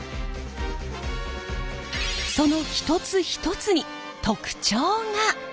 その一つ一つに特長が！